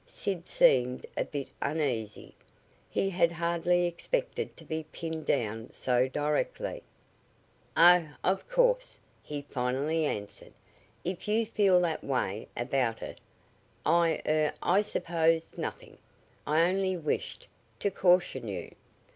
Sid seemed a bit uneasy. He had hardly expected to be pinned down so directly. "Oh, of course," he finally answered, "if you feel that way about it, I er I suppose nothing. I only wished to caution you.